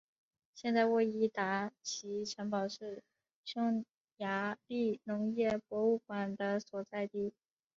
现在沃伊达奇城堡是匈牙利农业博物馆的所在地。